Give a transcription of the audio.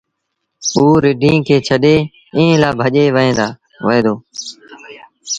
اوٚ رڍينٚ کي ڇڏي ايٚئي لآ ڀڄي وهي دو